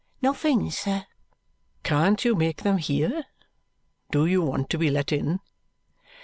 "Nothing, sir." "Can't you make them hear? Do you want to be let in?"